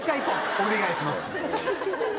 お願いします。